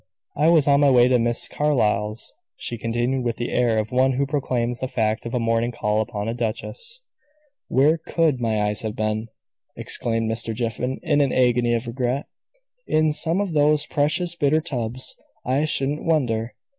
I was on my way to Miss Carlyle's," she continued, with the air of one who proclaims the fact of a morning call upon a duchess. "Where could my eyes have been?" exclaimed Mr. Jiffin, in an agony of regret. "In some of those precious butter tubs, I shouldn't wonder!